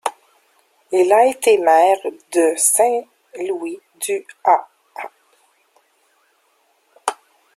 Il a été maire de Saint-Louis-du-Ha!